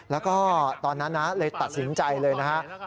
แล้วก็ตอนนั้นนะเลยตัดสินใจเลยนะครับ